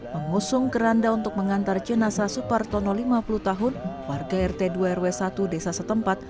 mengusung keranda untuk mengantar jenasa supartono lima puluh tahun warga rt dua rw satu desa setempat